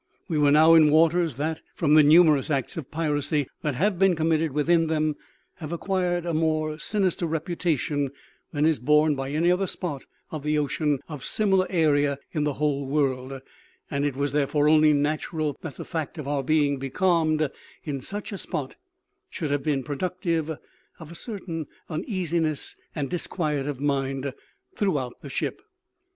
We were now in waters that, from the numerous acts of piracy that have been committed within them, have acquired a more sinister reputation than is borne by any other spot of ocean of similar area in the whole world; and it was therefore only natural that the fact of our being becalmed in such a spot should have been productive of a certain uneasiness and disquiet of mind throughout the ship.